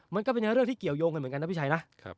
มันก็เป็นเรื่องที่เกี่ยวยงกันเหมือนกันนะพี่ชัยนะ